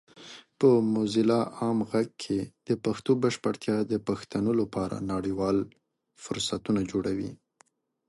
په موزیلا عام غږ کې د پښتو بشپړتیا د پښتنو لپاره نړیوال فرصتونه جوړوي.